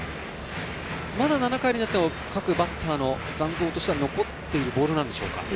まだ７回になっても各バッターの残像としては残っているボールなんでしょうか。